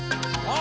あ。